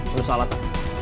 lu salah ta